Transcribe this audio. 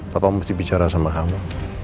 papa mau dibicara sama kamu